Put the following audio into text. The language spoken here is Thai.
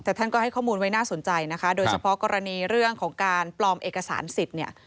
แต่ท่านก็ให้ข้อมูลไว้น่าสนใจนะคะโดยเฉพาะกรณีเรื่องของการปลอมเอกสารสิทธิ์เนี่ย